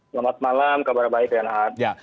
selamat malam kabar baik renhard